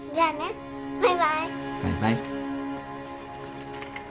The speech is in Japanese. バイバイ。